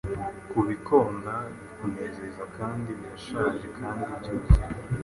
Kubikona bikunezezakandi birashaje kandi byuzuye